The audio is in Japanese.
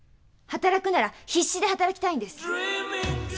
働くなら必死で働きたいんです！